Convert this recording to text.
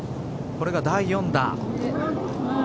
これが第４打。